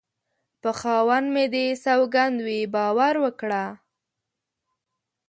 په خاوند مې دې سوگند وي باور وکړه